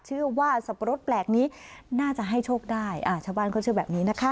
สับปะรดแปลกนี้น่าจะให้โชคได้อ่าชาวบ้านเขาเชื่อแบบนี้นะคะ